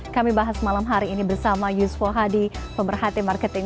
kami bahas malam hari ini bersama yuswo hadi pemerhati marketing